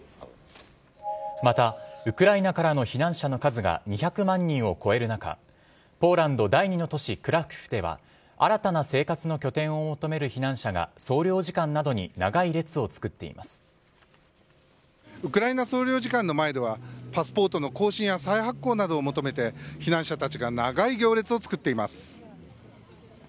またウクライナからの避難者の数が２００万人を超える中ポーランド第２の都市クラクフでは新たな生活の拠点を求める避難者が総領事館などにウクライナ総領事館の前ではパスポートの更新や再発行などを求めて避難者たちが長い行列を作っています。